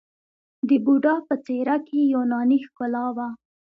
د بودا په څیره کې یوناني ښکلا وه